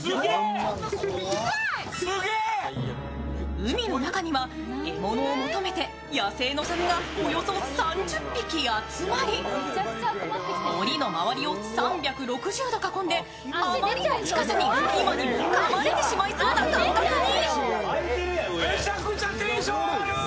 海の中には獲物を求めて野生のサメがおよそ３０匹集まり、おりの回りを３６０度囲んであまりの近さに今にもかまれてしまいそうな感覚に。